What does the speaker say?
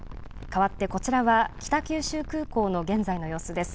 かわってこちらは北九州空港の現在の様子です。